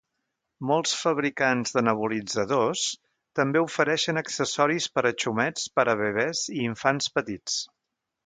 Molts fabricants de nebulitzadors també ofereixen accessoris per a xumets per a bebès i infants petits.